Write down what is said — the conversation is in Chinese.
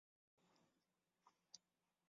中华拟锯齿蛤为贻贝科拟锯齿蛤属的动物。